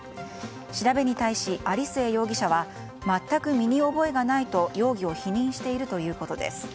調べに対し、有末容疑者は全く身に覚えがないと容疑を否認しているということです。